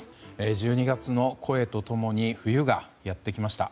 １２月の声と共に冬がやってきました。